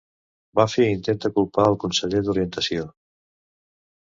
Buffy intenta culpar al conseller d'orientació.